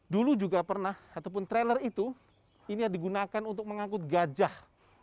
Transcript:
dulu juga pernah ataupun trailer itu ini digunakan untuk mengangkut gajah